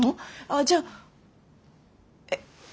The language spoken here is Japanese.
あっじゃあえっ？